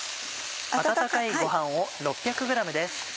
温かいご飯を６００ｇです。